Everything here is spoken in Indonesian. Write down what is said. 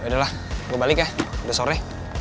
udahlah gue balik ya udah sore